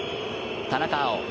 田中碧。